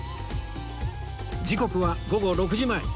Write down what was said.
時刻は午後６時前